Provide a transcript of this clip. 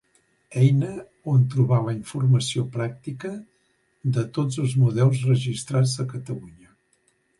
Eina on trobar la informació pràctica de tots els museus registrats de Catalunya.